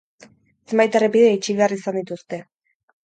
Zenbait errepide itxi behar izan dituzte.